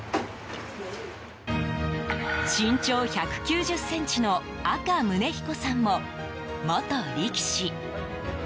身長１９０ｃｍの阿嘉宗彦さんも、元力士。